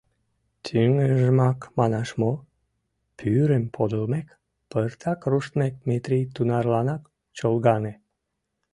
Тӱҥжымак манаш мо? — пӱрым подылмек, пыртак руштмек, Метрий тунарланак чолгаҥе.